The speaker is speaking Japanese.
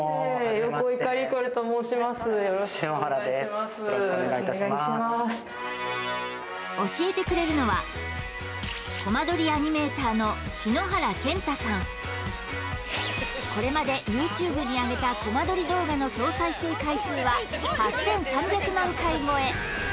よろしくお願いいたします教えてくれるのはこれまでＹｏｕＴｕｂｅにあげたコマ撮り動画の総再生回数は８３００万回超え